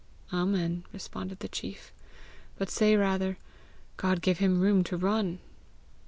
"Amen!" responded the chief; "but say rather, 'God give him room to run!'"